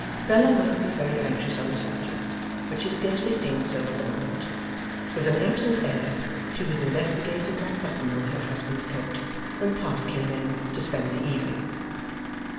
Bella might be very anxious on the subject, but she scarcely seemed so at the moment. With an absent air, she was investigating that button on her husband's coat, when Pa came in to spend the evening.